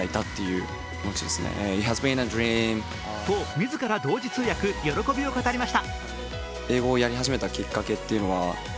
自ら同時通訳喜びを語りました。